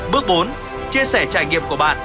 bước bốn chia sẻ trải nghiệm của bạn